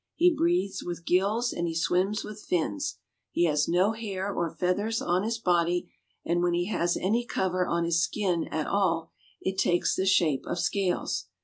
He breathes with gills and he swims with fins. He has no hair or feathers on his body and when he has any cover on his skin at all it takes the shape of scales.